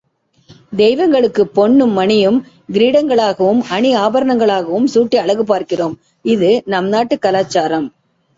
தெய்வங்களுக்குப் பொன்னும் மணியும் கிரீடங்களாகவும் அணி ஆபரணங்களாகவும் சூட்டி அழகு பார்க்கிறோம், இது நம் நாட்டுக் கலாச்சாரம்.